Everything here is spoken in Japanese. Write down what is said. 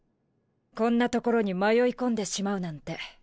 こんな所に迷い込んでしまうなんて。